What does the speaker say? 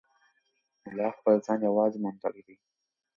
ملا خپل ځان یوازې موندلی دی.